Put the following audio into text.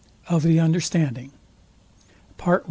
OF THE UNDERSTANDING PART I.